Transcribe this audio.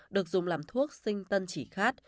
được dùng làm thuốc sinh tân chỉ khát